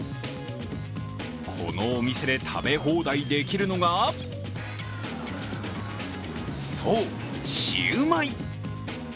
このお店で食べ放題できるのがそう、シウマイ。